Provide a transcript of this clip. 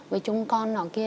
với chung con nó kia